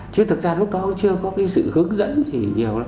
chứ thực ra lúc đó chưa có cái sự hướng dẫn gì nhiều lắm